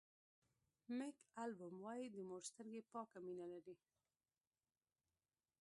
مېک البوم وایي د مور سترګې پاکه مینه لري.